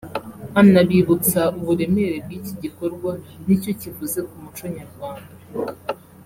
anabibutsa uburemere bw'iki gikorwa nicyo kivuze ku muco nyarwanda